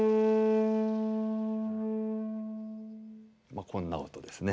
まあこんな音ですね。